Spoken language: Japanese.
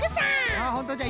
ああほんとじゃ。